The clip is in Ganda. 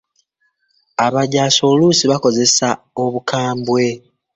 Abajjaasi oluusi bakozesa obukambwe.